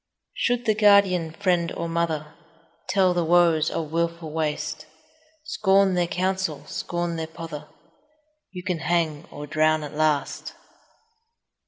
Should the guardian friend or mother 25 Tell the woes of wilful waste, Scorn their counsel, scorn their pother;— You can hang or drown at last!